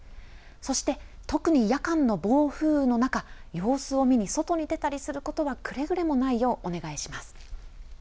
そして特に夜間の暴風の中様子を見に外に出たりすることはくれぐれもないようお願いします。